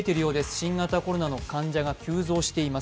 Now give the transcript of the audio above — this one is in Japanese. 新型コロナの患者が急増しています。